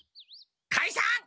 かいさん！